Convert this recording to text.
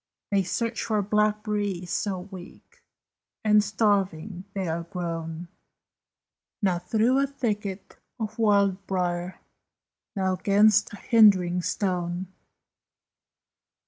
They search for blackberries, so weak And starving they are grown, Now through a thicket of wild brier, Now 'gainst a hindering stone!